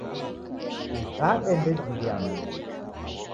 Ighande ndejingia Mlungunyi.